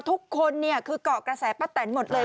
ทุกคนก็เกาะกระแสป้าแตนหมดเลย